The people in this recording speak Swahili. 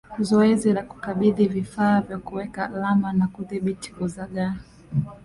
zoezi la kukabidhi vifaa vya kuweka alama na kudhibiti kuzagaa